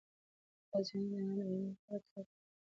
د رازیانې دانه د هورمون لپاره وکاروئ